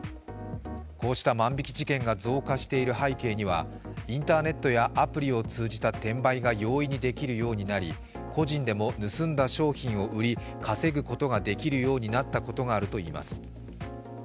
こうした万引き事件が増加している背景にはインターネットやアプリを通じた転売が容易にできるようになり個人でも盗んだ商品を売り、稼ぐことができるようになったことがあるといいます。